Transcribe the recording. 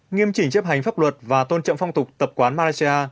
nghiêm chỉnh chấp hành pháp luật và tôn trọng phong tục tập quán malaysia